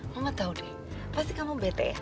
mama tahu deh pasti kamu bete